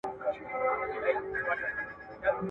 چي اوږدې غاړي لري هغه حلال که.